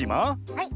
はい。